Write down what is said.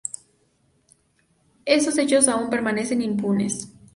Esos hechos aún permanecen impunes.